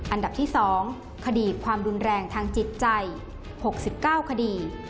อันดับที่๒คดีความรุนแรงทางจิตใจ๖๙คดี